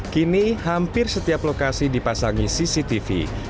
kini hampir setiap lokasi dipasangi cctv